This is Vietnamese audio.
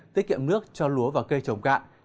tiết kiệm nước cho lúa và cây trồng cạn